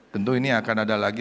tentu ini akan ada lagi